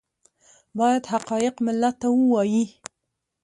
باید حقایق ملت ته ووایي